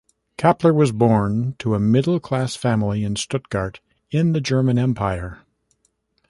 Kappler was born to a middle-class family in Stuttgart in the German Empire.